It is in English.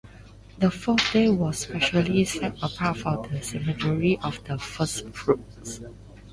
The fourth day was specially set apart for the ceremony of the first fruits.